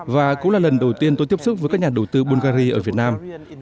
và cũng là lần đầu tiên tôi tiếp xúc với các nhà đầu tư bungary ở việt nam